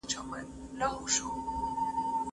خپل ماشومان ښوونځیو ته ولېږئ.